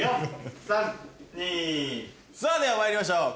さあでは参りましょう。